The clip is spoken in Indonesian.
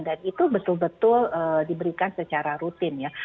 dan itu betul betul diberikan secara rutin ya